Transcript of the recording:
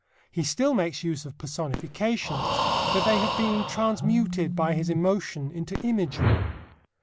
He still makes use of personifications, but they have been transmuted by his emotion into imagery.